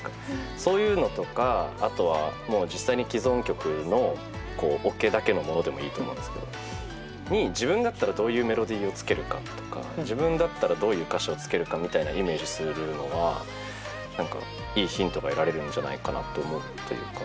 そういうのとかあとはもう実際に既存曲のオケだけのものでもいいと思うんですけどに自分だったらどういうメロディーをつけるかとか自分だったらどういう歌詞をつけるかみたいなイメージするのは何かいいヒントが得られるんじゃないかなと思ってるから。